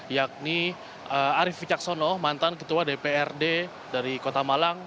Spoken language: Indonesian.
yakni arief ficaksono mantan ketua dprd dari kota malang